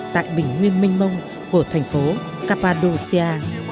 tại bình nguyên minh mông của thành phố cappadocia